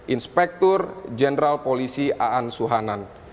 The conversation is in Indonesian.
inspektur jenderal polisi a ansuhanan